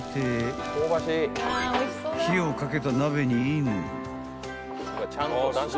［火をかけた鍋にイン］